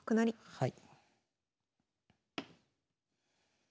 はい。